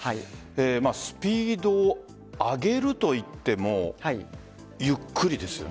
スピードを上げると言ってもゆっくりです。